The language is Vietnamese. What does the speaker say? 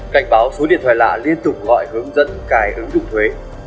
cảnh báo số điện thoại lạ liên tục gọi hướng dẫn cài ứng dụng thuế